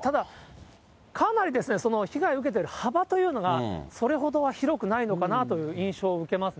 ただ、かなり被害を受けている幅というのが、それほどは広くないのかなという印象を受けますね。